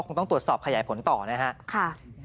คงต้องตรวจสอบขยายผลต่อนะฮะ